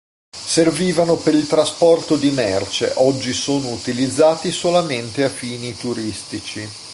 Servivano per il trasporto di merce, oggi sono utilizzati solamente a fini turistici.